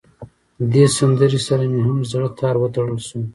دې سندره سره مې هم د زړه تار وتړل شو.